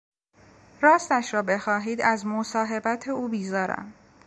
راستش را بخواهید از مصاحبت او بیزارم.